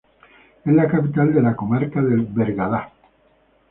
Es la capital de la comarca del Bergadá.